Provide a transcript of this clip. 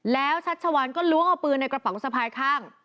แล้วชัดชะวันก็ล้วงเอาปืนในกระป๋องรุษภายข้าง